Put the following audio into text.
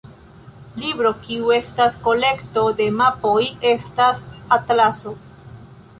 Libro kiu estas kolekto de mapoj estas atlaso.